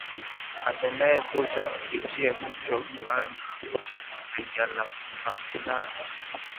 Apendae kucha ukichia kicho yani ukicha utangia lahaulani.